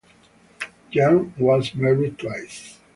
Jung was married twice.